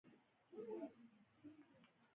بادرنګ یو طبعي یخونکی دی.